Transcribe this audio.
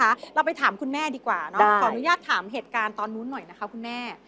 เราไปถามคุณแม่ดีกว่าเนาะขออนุญาตถามเหตุการณ์ตอนนู้นหน่อยนะคะคุณแม่